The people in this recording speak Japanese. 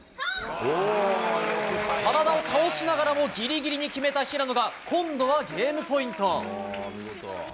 体を倒しながらもぎりぎりに決めた平野が今度はゲームポイント。